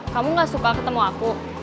kamu gak suka ketemu aku